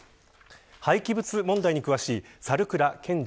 廃棄物問題に詳しい猿倉健司